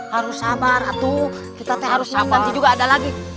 harus sabar kita harus menang nanti juga ada lagi